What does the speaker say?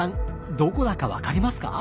どこだか分かりますか？